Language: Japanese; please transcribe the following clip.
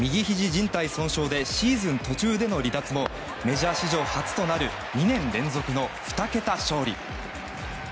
じん帯損傷でシーズン途中での離脱もメジャー史上初となる２年連続の２桁勝利。